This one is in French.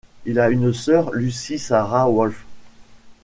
Il a une sœur, Lucie Sarah Wolff.